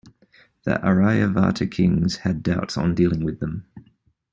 The Aryavarta kings had doubts on dealing with them.